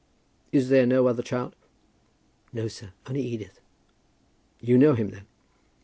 "Is there no other child?" "No, sir; only Edith." "You know him, then?"